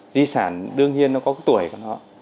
di sản đương nhiên nó có tuổi của nó